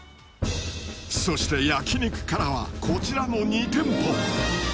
そして焼肉からはこちらの２店舗！